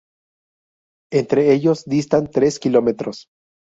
Entre ellos distan tres kilómetros.